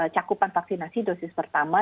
cakupan vaksinasi dosis pertama